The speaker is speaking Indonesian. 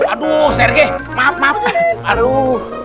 aduh serge maaf maaf aduh